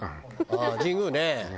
ああ神宮ね。